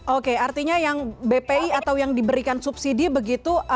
oke artinya yang bpi atau yang diberikan subsidi begitu